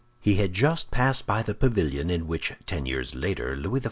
He had just passed by the pavilion in which ten years later Louis XIV.